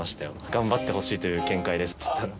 「頑張ってほしいという見解です」っつったら。